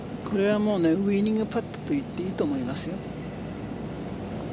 これはウイニングパットと言っていいと思います。